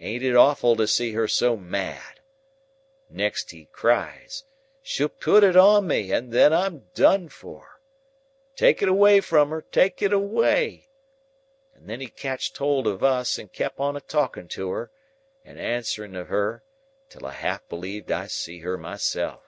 Ain't it awful to see her so mad?' Next he cries, 'She'll put it on me, and then I'm done for! Take it away from her, take it away!' And then he catched hold of us, and kep on a talking to her, and answering of her, till I half believed I see her myself.